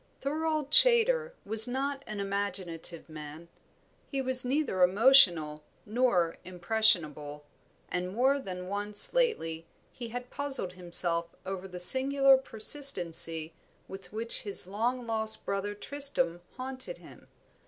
Thorold Chaytor was not an imaginative man; he was neither emotional nor impressionable, and more than once lately he had puzzled himself over the singular persistency with which his long lost brother Tristram haunted him.